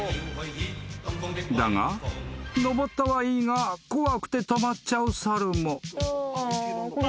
［だが登ったはいいが怖くて止まっちゃう猿も］